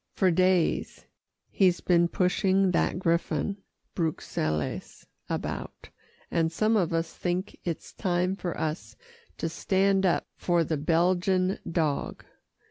"For days he's been pushing that griffon Bruxelles about, and some of us think it's time for us to stand up for the Belgian dog.